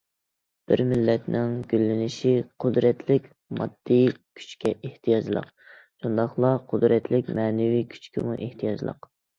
بىر مىللەتنىڭ گۈللىنىشى قۇدرەتلىك ماددىي كۈچكە ئېھتىياجلىق، شۇنداقلا قۇدرەتلىك مەنىۋى كۈچكىمۇ ئېھتىياجلىق.